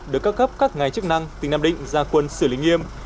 được cấp cấp các ngài chức năng tỉnh nam định ra quân xử lý nghiêm